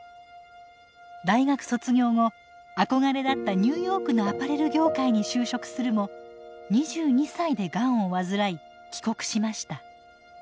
大学卒業後憧れだったニューヨークのアパレル業界に就職するも２２歳でガンを患い帰国しました。